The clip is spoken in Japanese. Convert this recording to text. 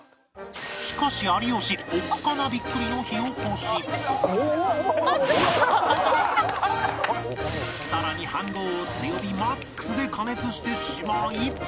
しかし有吉おっかなびっくりの火おこしさらに飯ごうを強火 ＭＡＸ で加熱してしまい